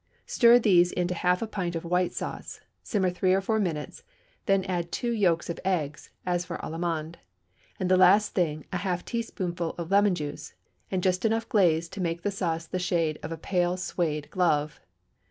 Stir these into half a pint of white sauce, simmer three or four minutes, then add two yolks of eggs, as for Allemande, and the last thing a half teaspoonful of lemon juice, and just enough glaze to make the sauce the shade of a pale Suède glove.